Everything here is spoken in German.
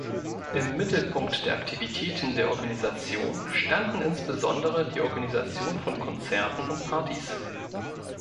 Im Mittelpunkt der Aktivitäten der Organisation standen insbesondere die Organisation von Konzerten und Partys.